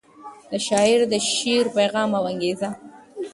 د شاعر د شعر پیغام او انګیزه